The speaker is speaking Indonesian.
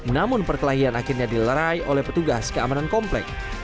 namun perkelahian akhirnya dilerai oleh petugas keamanan komplek